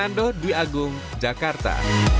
sando diagung jakarta